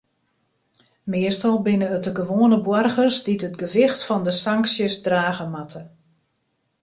Meastal binne it de gewoane boargers dy't it gewicht fan de sanksjes drage moatte.